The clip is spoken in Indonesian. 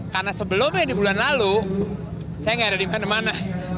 karena sebelumnya di bulan lalu saya gak ada dimana mana